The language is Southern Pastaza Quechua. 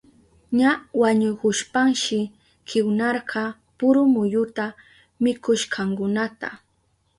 Ña wañuhushpanshi kiwnarka puru muyuta mikushkankunata.